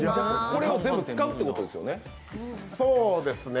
これを全部使うっていうことですよね？